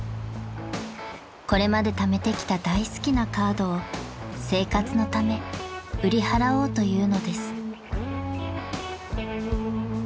［これまでためてきた大好きなカードを生活のため売り払おうというのです］